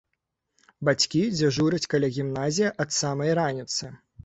Бацькі дзяжураць каля гімназіі ад самай раніцы.